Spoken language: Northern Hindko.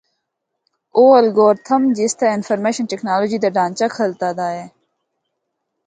او الگورتھم جس تے انفارمیشن ٹیکنالوجی دا ڈھانچہ کھلتیا دا ہے۔